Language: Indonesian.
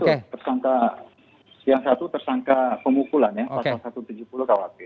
itu tersangka yang satu tersangka pemukulan ya pasal satu ratus tujuh puluh kwp